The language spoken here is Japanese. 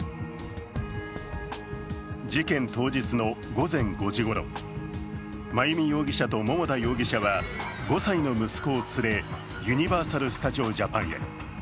事件当日の午前５時ごろ、真由美容疑者と桃田容疑者は５歳の息子を連れ、ユニバーサル・スタジオ・ジャパンへ。